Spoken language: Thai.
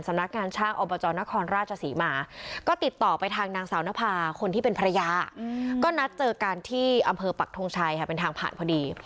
นักงานช่างอบจนครราชศรีมาก็ติดต่อไปทางนางสาวนภาคนที่เป็นภรรยาก็นัดเจอกันที่อำเภอปักทงชัยค่ะเป็นทางผ่านพอดี